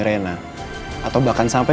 kenapa itu grandma